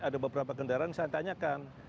ada beberapa kendaraan saya tanyakan